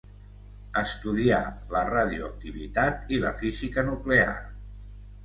Estudià la radioactivitat i la física nuclear.